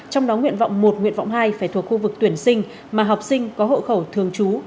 trong đó nguyện vọng một nguyện vọng hai phải thuộc khu vực tuyển sinh mà học sinh có hộ khẩu thường trú